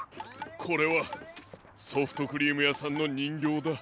これはソフトクリームやさんのにんぎょうだ。